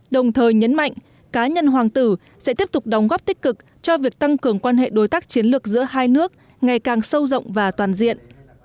đồng thời nhấn mạnh cá nhân hoàng tử sẽ tiếp tục đóng góp tích cực cho việc tăng cường quan hệ đối tác chiến lược giữa hai nước ngày càng sâu rộng và toàn diện